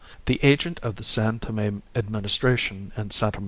The agent of the San Tome Administration in Sta.